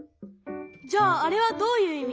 じゃああれはどういういみ？